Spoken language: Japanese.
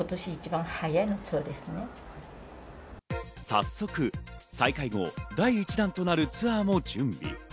早速、再開後、第１弾となるツアーも準備。